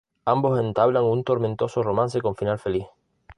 Ambos entablan un tormentoso romance con final feliz...